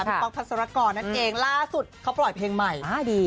ป๊อกพัศรกรนั่นเองล่าสุดเขาปล่อยเพลงใหม่